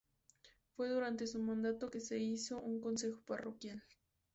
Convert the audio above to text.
Fue durante su mandato que se hizo un Consejo Parroquial.